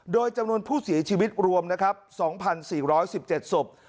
โดยจำนวนผู้เสียชีวิตรวมนะครับสองพันสี่ร้อยสิบเจ็ดศพ